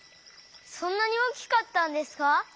そんなに大きかったんですか？